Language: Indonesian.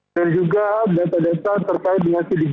dan juga data data terkait dengan ciri ciri